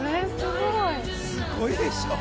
すごいでしょ？